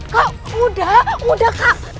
kak udah udah kak